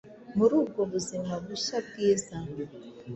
muri ubwo buzima bushya bwiza.